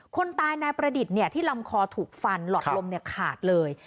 คนตายนายประดิษฐ์ที่ลำคอถูกฟันหลอดลมขาดเลย